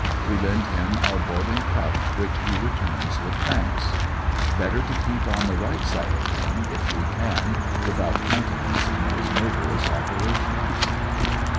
We lend him our boiling cup which he returns with thanks. Better to keep on the right side of him, if we can without countenancing his murderous operations.